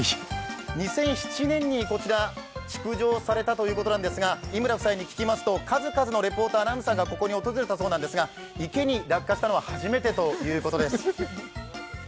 ２００７年にこちら築城されたということなんですが井村夫妻に聞きますと数々のリポーター、アナウンサーがここに訪れたそうなんですが、池に落下したのは初めてということです。